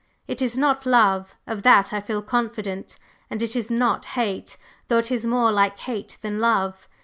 It is not love; of that I feel confident; and it is not hate, though it is more like hate than love.